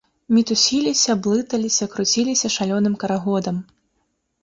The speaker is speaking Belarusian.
Мітусіліся, блыталіся, круціліся шалёным карагодам.